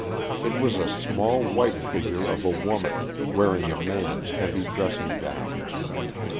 It was a small white figure of a woman, wearing a man's heavy dressing gown.